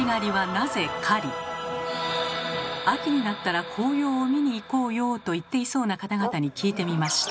秋になったら「紅葉を見に行こうよう」と言っていそうな方々に聞いてみました。